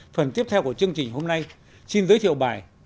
phần tiếp theo của chương trình hôm nay xin giới thiệu bài